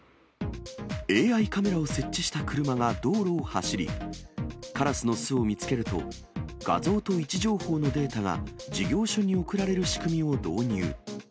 ＡＩカメラを設置した車が道路を走り、カラスの巣を見つけると、画像と位置情報のデータが、事業所に送られる仕組みを導入。